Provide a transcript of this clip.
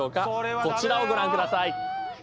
こちらをご覧ください。